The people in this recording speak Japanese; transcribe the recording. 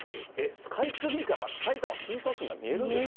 スカイツリーから、さいたま新都心が見えるんですか？